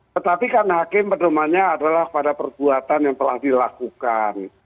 tetapi karena hakim pada umumnya adalah kepada perbuatan yang telah dilakukan